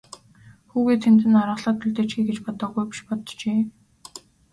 Хүүгээ тэнд нь аргалаад үлдээчихье гэж бодоогүй биш боджээ.